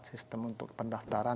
sistem untuk pendaftaran